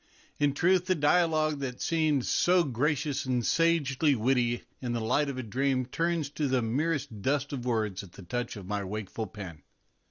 In truth, the dialogue that seemed so gracious and sagely witty in the light of a dream turns to the merest dust of words at the touch of my wakeful pen.